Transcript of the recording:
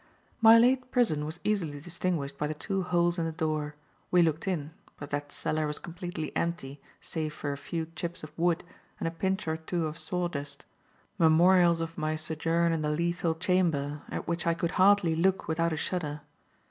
My late prison was easily distinguished by the two holes in the door. We looked in; but that cellar was completely empty save for a few chips of wood and a pinch or two of sawdust; memorials of my sojourn in the lethal chamber at which I could hardly look without a shudder.